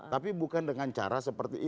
tapi bukan dengan cara seperti itu